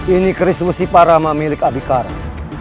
ini keris musi parama milik abikara